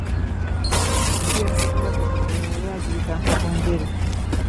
Enju ya Ssekabaka Kiggala yali agiyita Nkokonjeru.